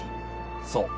そう。